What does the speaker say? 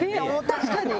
確かに。